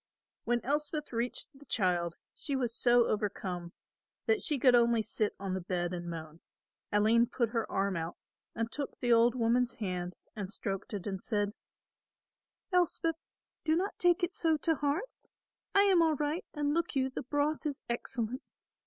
When Elspeth reached the child she was so overcome that she could only sit on the bed and moan. Aline put her arm out and took the old woman's hand and stroked it and said, "Elspeth, do not take it so to heart. I am all right and, look you, the broth is excellent.